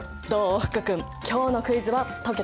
福君今日のクイズは解けたかな？